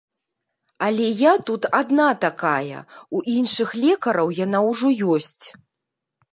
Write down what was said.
Але я тут адна такая, у іншых лекараў яна ўжо ёсць.